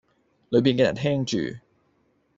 裡面嘅人聽住